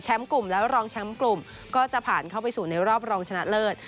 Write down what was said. กลุ่มและรองแชมป์กลุ่มก็จะผ่านเข้าไปสู่ในรอบรองชนะเลิศ